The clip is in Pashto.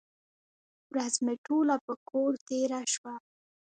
ورځ مې ټوله په کور تېره شوه.